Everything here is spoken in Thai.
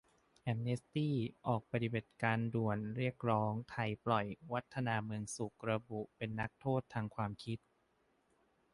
แอมเนสตี้ออกปฏิบัติการด่วนเรียกร้องไทยปล่อย 'วัฒนา เมืองสุข' ระบุเป็นนักโทษทางความคิด